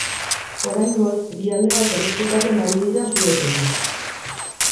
Oraingoz, bi aldeak errespetatzen ari dira su-etena.